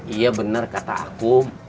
iya bener kata aku